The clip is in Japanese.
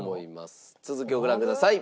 続きをご覧ください。